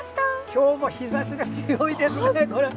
今日も日ざしが強いですね。